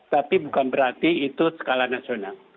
tapi bukan berarti itu skala nasional